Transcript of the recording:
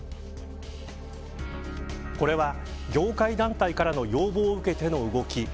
これは、業界団体からの要望を受けての動き。